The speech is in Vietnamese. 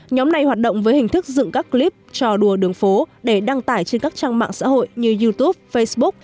nhóm này hoạt động với hình thức dựng các clip trò đùa đường phố để đăng tải trên các trang mạng xã hội như youtube facebook